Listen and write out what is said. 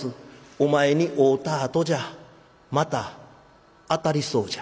「お前に会うたあとじゃまたあたりそうじゃ」。